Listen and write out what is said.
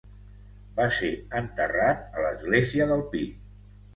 Va ser enterrat a l'església del Pi.